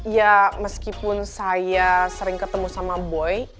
ya meskipun saya sering ketemu sama boy